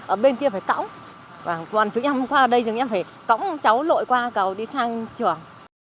ở bên kia phải cõng còn chúng em qua đây chúng em phải cõng cháu lội qua cầu đi sang trường